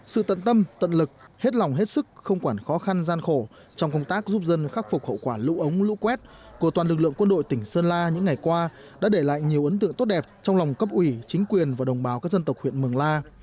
sự tận tâm tận lực hết lòng hết sức không quản khó khăn gian khổ trong công tác giúp dân khắc phục hậu quả lũ ống lũ quét của toàn lực lượng quân đội tỉnh sơn la những ngày qua đã để lại nhiều ấn tượng tốt đẹp trong lòng cấp ủy chính quyền và đồng bào các dân tộc huyện mường la